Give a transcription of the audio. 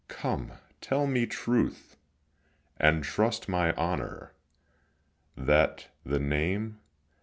Come, tell me truth, And trust my honour. That the name?